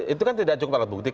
itu kan tidak cukup alat bukti